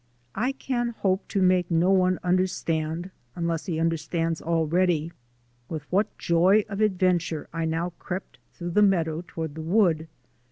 I can hope to make no one understand (unless he understands already) with what joy of adventure I now crept through the meadow toward the wood.